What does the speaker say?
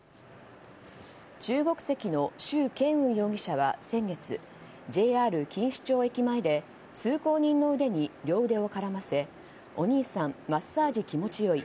中国籍のシュウ・ケンウン容疑者は先月ＪＲ錦糸町駅前で通行人の腕に両腕を絡ませ「お兄さんマッサージ気持ち良い。